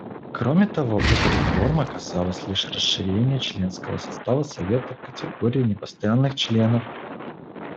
Кроме того, эта реформа касалась лишь расширения членского состава Совета в категории непостоянных членов.